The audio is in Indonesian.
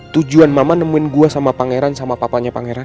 tujuan mama nemuin gue sama pangeran sama papanya pangeran